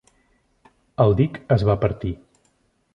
El dic es va partir.